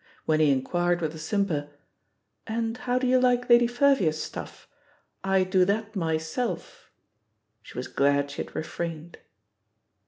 When he inquired with a simper, "And how do you like Lady Fervia's stuff? — I do that myself,*' she was glad she had refrained.